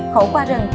khổ qua rừng